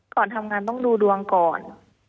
ก่อนทำงานต้องดูดวงก่อน